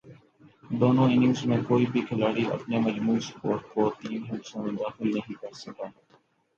دونوں اننگز میں کوئی بھی کھلاڑی اپنے مجموعی سکور کو تین ہندسوں میں داخل نہیں کر سکا۔